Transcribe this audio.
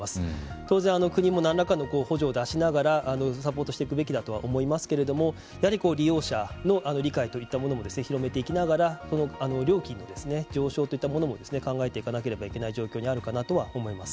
当然国も何らかの補助を出しながらサポートしていくべきだと思いますけれどもやはり、利用者の理解といったものも広めていきながら料金の上昇といったものも考えていかなければいけない状況にあるかなとは思います。